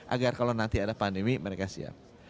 agar kalau nanti ada pandemi mereka siap